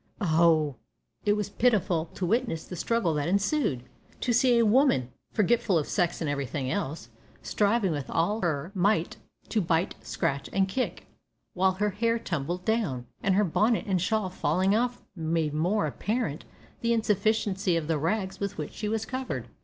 Oh! it was pitiful to witness the struggle that ensued! to see a woman, forgetful of sex and everything else, striving with all her might to bite, scratch, and kick, while her hair tumbled down, and her bonnet and shawl falling off made more apparent the insufficiency of the rags with which she was covered.